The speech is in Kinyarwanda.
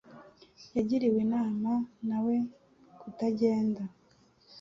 Yagiriwe inama na we kutagenda